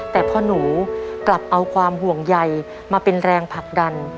แต่พ่อหนูกลับเอาความห่วงใยมาเป็นแรงผลักดัน